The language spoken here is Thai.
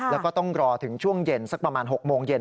แล้วก็ต้องรอถึงช่วงเย็นสักประมาณ๖โมงเย็น